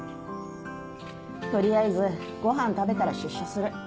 取りあえずごはん食べたら出社する。